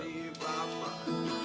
in jeder kadang van gaat mabok